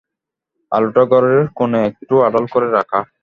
আলোটা ঘরের কোণে একটু আড়াল করে রাখা।